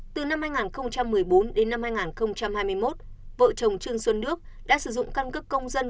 từ năm hai nghìn một mươi bốn đến năm hai nghìn hai mươi một vợ chồng trương xuân nước đã sử dụng căn cấp công dân